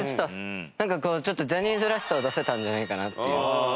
なんかこうジャニーズらしさを出せたんじゃないかなっていう。